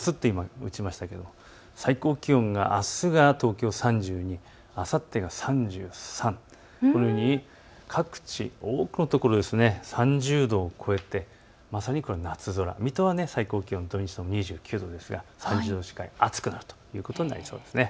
最高気温があすが東京３２度、あさってが３３、このように各地、多くの所、３０度を超えてまさに夏空、水戸は最高気温、土日とも２９度ですが３０度近い、暑くなるということです。